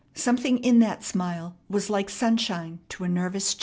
Something in that smile was like sunshine to a nervous chill.